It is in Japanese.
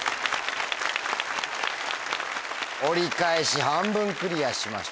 折り返し半分クリアしました